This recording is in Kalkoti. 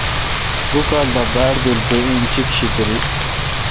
دو کال دا باڑ بیل بہ انچیک شی دریس۔